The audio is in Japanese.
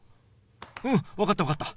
うん分かった分かった。